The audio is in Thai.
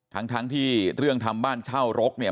ทั้งที่เรื่องทำบ้านเช่ารกเนี่ย